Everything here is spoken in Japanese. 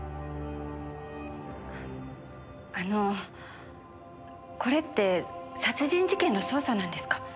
あのこれって殺人事件の捜査なんですか？